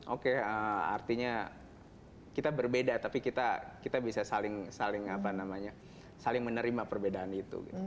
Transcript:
oke artinya kita berbeda tapi kita bisa saling menerima perbedaan itu